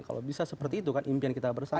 kalau bisa seperti itu kan impian kita bersama